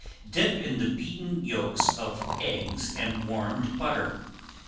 Dip in the beaten yolks of eggs and warmed butter.